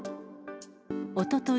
おととい